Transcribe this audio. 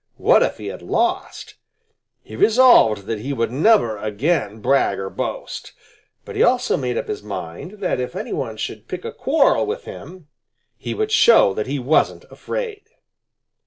What if he had lost? He resolved that he would never again brag or boast. But he also made up his mind that if any one should pick a quarrel with him, he would show that he wasn't afraid.